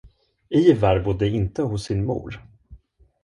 Ivar bodde inte hos sin mor.